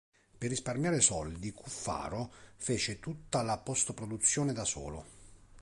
Per risparmiare soldi, Cuffaro fece tutta la post-produzione da solo.